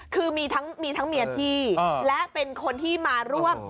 คือมีทั้งเมียพี่และเป็นคนที่มาร่วมประเภทนี้